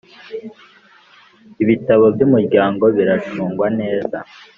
Ibitabo by ‘umuryango biracungwa neza.